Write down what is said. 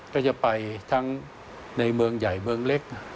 ก็จะไปทั้งในเมืองใหญ่เมืองเล็ก